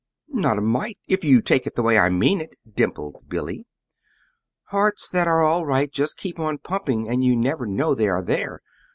"Not a mite, if you take it the way I mean it," dimpled Billy. "Hearts that are all right just keep on pumping, and you never know they are there.